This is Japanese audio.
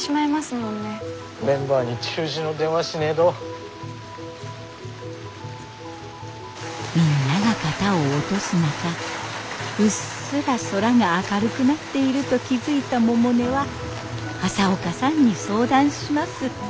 みんなが肩を落とす中うっすら空が明るくなっていると気付いた百音は朝岡さんに相談します。